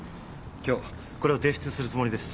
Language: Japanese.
今日これを提出するつもりです。